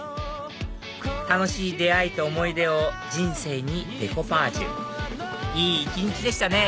楽しい出会いと思い出を人生にデコパージュいい一日でしたね！